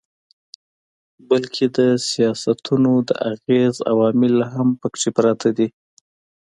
بلکي د سياستونو د اغېز عوامل هم پکښې پراته دي